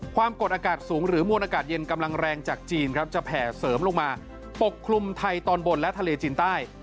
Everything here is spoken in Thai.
ความกดอากาศสูงหรือมวลอากาศเย็นกำลังแรงจากจีนครับจะแผ่เสริมลงมาปกคลุมไทยตอนบนและทะเลจีนใต้